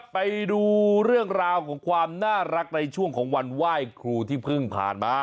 ไปดูเรื่องราวของความน่ารักในช่วงของวันไหว้ครูที่เพิ่งผ่านมา